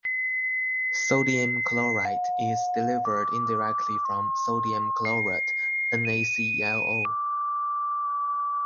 Sodium chlorite is derived indirectly from sodium chlorate, NaClO.